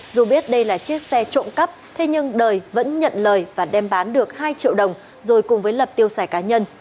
dù biết đây là chiếc xe trộm cắp thế nhưng đời vẫn nhận lời và đem bán được hai triệu đồng rồi cùng với lập tiêu xài cá nhân